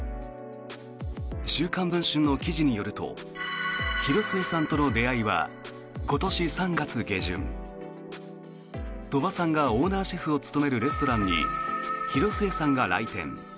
「週刊文春」の記事によると広末さんとの出会いは今年３月下旬鳥羽さんがオーナーシェフを務めるレストランに広末さんが来店。